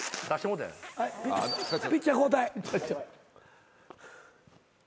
ピッチャー交代。